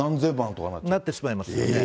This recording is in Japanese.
なってしまいますよね。